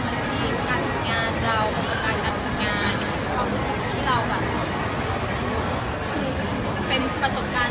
แต่ว่าถ้ามองในแง่ขังกายคนคือแม่แม่สูงเกดแล้ว